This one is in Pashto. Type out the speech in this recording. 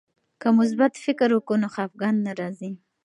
که مثبت فکر وکړو نو خفګان نه راځي.